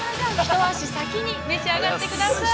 一足先に召し上がってください！